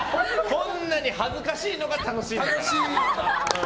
こんなに恥ずかしいのが楽しいんだから！